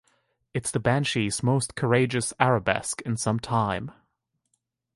It's the Banshees' most courageous arabesque in some time.